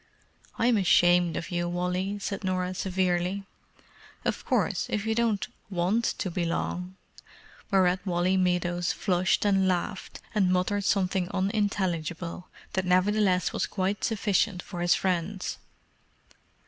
"I'm ashamed of you, Wally," said Norah severely. "Of course, if you don't want to belong——!" Whereat Wally Meadows flushed and laughed, and muttered something unintelligible that nevertheless was quite sufficient for his friends.